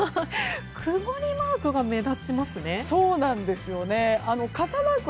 曇りマークが目立ちますね。